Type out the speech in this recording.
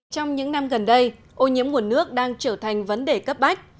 trong những năm gần đây ô nhiễm nguồn nước đang trở thành vấn đề cấp bách